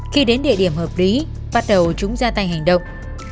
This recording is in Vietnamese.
khi đến địa điểm hợp lý bắt đầu chúng ra tay hành động